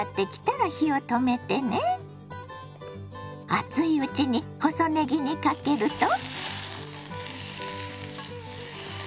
熱いうちに細ねぎにかけると。